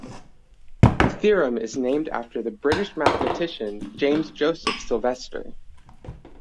The theorem is named after the British mathematician James Joseph Sylvester.